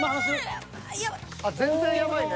あっ全然やばいね。